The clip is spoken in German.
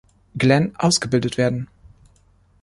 Glenn ausgebildet werden.